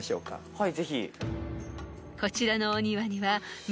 はい。